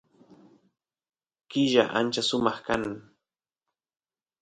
killa ancha sumaq kan